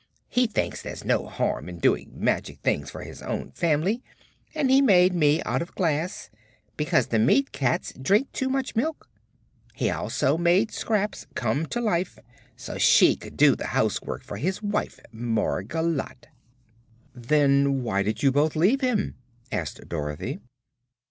He thinks there's no harm in doing magic things for his own family, and he made me out of glass because the meat cats drink too much milk. He also made Scraps come to life so she could do the housework for his wife Margolotte." "Then why did you both leave him?" asked Dorothy.